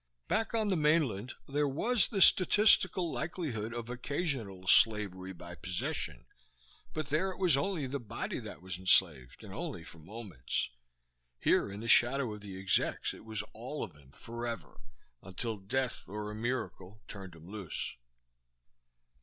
Back on the mainland there was the statistical likelihood of occasional slavery by possession, but there it was only the body that was enslaved, and only for moments. Here, in the shadow of the execs, it was all of him, forever, until death or a miracle turned him loose.